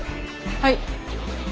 はい。